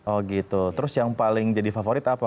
oh gitu terus yang paling jadi favorit apa